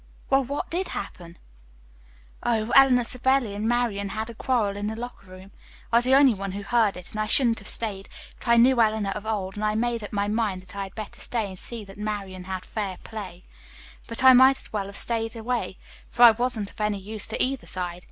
"Well, what did happen?" "Oh, Eleanor Savelli and Marian had a quarrel in the locker room. I was the only one who heard it, and I shouldn't have stayed but I know Eleanor of old, and I made up my mind that I had better stay and see that Marian had fair play. But I might as well have stayed away, for I wasn't of any use to either side.